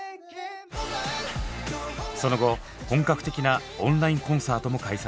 その後本格的なオンラインコンサートも開催。